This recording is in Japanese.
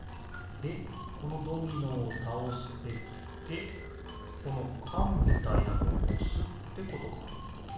でこのドミノをたおしてってこのかんみたいなのをおすってことか。